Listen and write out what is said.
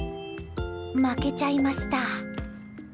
負けちゃいました。